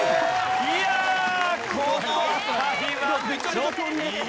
いやあこの辺りはちょっと。